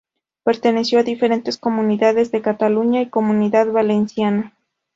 Perteneció a diferentes comunidades de Cataluña y la Comunidad Valenciana.